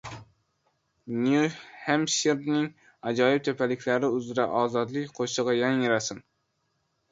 Nyu-Hempshirning ajoyib tepaliklari uzra ozodlik qo‘shig‘i yangrasin!